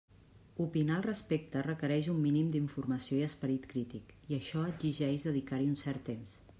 Opinar al respecte requereix un mínim d'informació i esperit crític, i això exigeix dedicar-hi un cert temps.